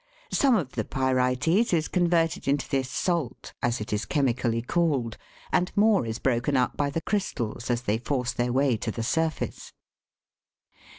Some of the pyrites is converted into this " salt," as it is chemically called, and more is broken up by the crystals as they force their way to the surface.